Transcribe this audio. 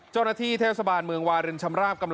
เจ้าหน้าที่เทพสบาลเมืองวาเลนชำราบ